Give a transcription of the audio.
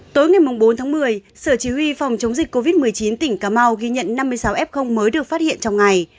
tối ngày bốn tháng một mươi sở chỉ huy phòng chống dịch covid một mươi chín tỉnh cà mau ghi nhận năm mươi sáu f mới được phát hiện trong ngày